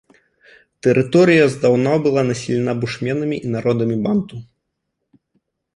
Тэрыторыя здаўна была населена бушменамі і народамі банту.